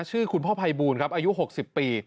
ชื่อคุณพ่อภัยบูลครับอายุ๖๐ปี